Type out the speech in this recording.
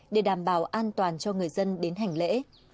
để đảm bảo an toàn cho người dân đến hành lễ